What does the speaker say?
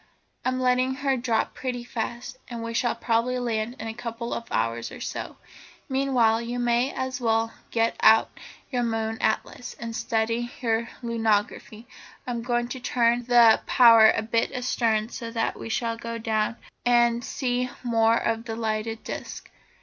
I'm letting her drop pretty fast, and we shall probably land in a couple of hours or so. Meanwhile you may as well get out your moon atlas, and study your lunography. I'm going to turn the power a bit astern so that we shall go down obliquely, and see more of the lighted disc.